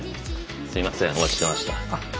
すいませんお待ちしてました。